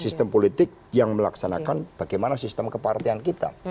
sistem politik yang melaksanakan bagaimana sistem kepartian kita